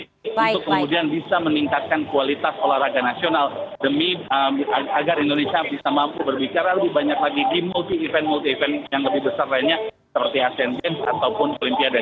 untuk kemudian bisa meningkatkan kualitas olahraga nasional agar indonesia bisa mampu berbicara lebih banyak lagi di multi event multi event yang lebih besar lainnya seperti asean games ataupun olimpiade